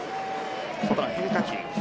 外の変化球。